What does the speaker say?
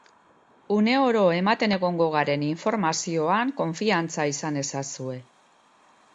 Uneoro ematen egongo garen informazioan konfiantza izan ezazue.